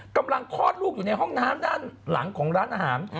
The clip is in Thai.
คลอดลูกอยู่ในห้องน้ำด้านหลังของร้านอาหาร